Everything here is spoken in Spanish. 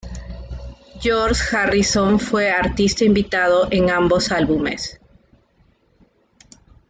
George Harrison fue artista invitado en ambos álbumes.